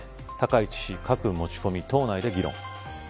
高市氏核持ち込み、党内で議論。